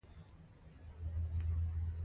دا باید د هغه د پوهې مطابق وي.